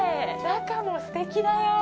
中もすてきだよ。